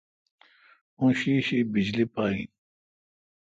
او شیشی بجلی پا این۔